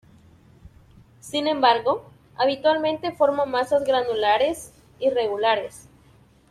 Sin embargo, habitualmente forma masas granulares irregulares.